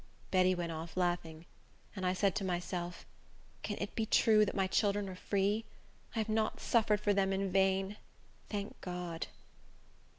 Betty went off laughing; and I said to myself, "Can it be true that my children are free? I have not suffered for them in vain. Thank God!"